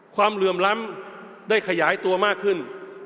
เหลื่อมล้ำได้ขยายตัวมากขึ้น